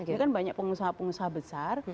itu kan banyak pengusaha pengusaha besar